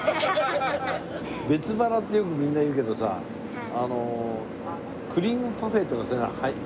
別腹ってよくみんな言うけどさクリームパフェっていうのはそれに入る。